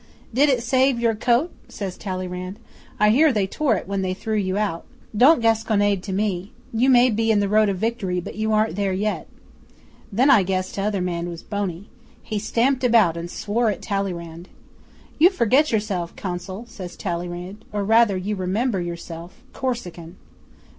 '"Did it save your coat?" says Talleyrand. "I hear they tore it when they threw you out. Don't gasconade to me. You may be in the road of victory, but you aren't there yet." 'Then I guessed t'other man was Boney. He stamped about and swore at Talleyrand. '"You forget yourself, Consul," says Talleyrand, "or rather you remember yourself Corsican."